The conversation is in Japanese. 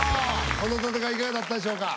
この戦いいかがだったでしょうか？